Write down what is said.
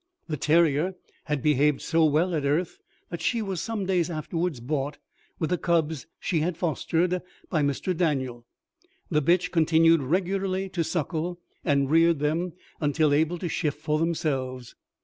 The terrier had behaved so well at earth, that she was some days afterwards bought, with the cubs she had fostered, by Mr. Daniel. The bitch continued regularly to suckle, and reared them until able to shift for themselves.